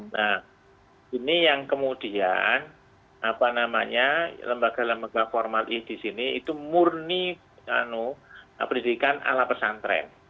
nah ini yang kemudian apa namanya lembaga lembaga formal i di sini itu murni pendidikan ala pesantren